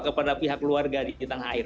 kepada pihak keluarga di tanah air